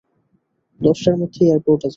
দশটার মধ্যে এয়ারপোর্টে যাব।